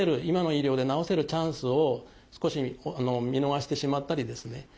今の医療で治せるチャンスを少し見逃してしまったりですね